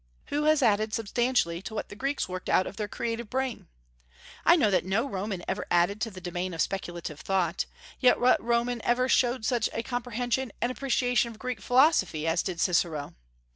Who has added substantially to what the Greeks worked out of their creative brain? I know that no Roman ever added to the domain of speculative thought, yet what Roman ever showed such a comprehension and appreciation of Greek philosophy as did Cicero?